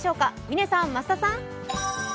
嶺さん、増田さん。